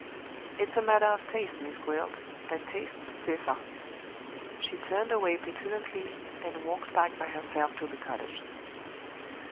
"It's a matter of taste, Miss Gwilt; and tastes differ." She turned away petulantly, and walked back by herself to the cottage.